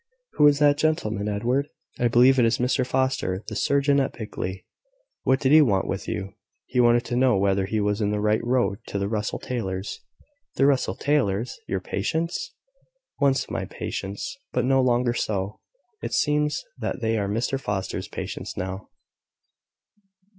"Who is that gentleman, Edward?" "I believe it is Mr Foster, the surgeon at Blickley." "What did he want with you?" "He wanted to know whether he was in the right road to the Russell Taylors." "The Russell Taylors! Your patients!" "Once my patients, but no longer so. It seems they are Mr Foster's patients now."